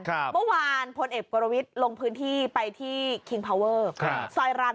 ครับเมื่อวานพลเอกกลวิษลงพื้นที่ไปที่ครับซอยร้าน